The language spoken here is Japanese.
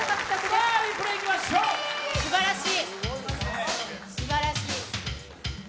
すばらしい。